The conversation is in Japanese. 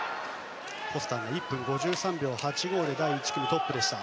フォスターは１分５３秒８５で第１組、トップでした。